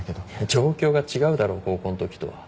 状況が違うだろ高校のときとは。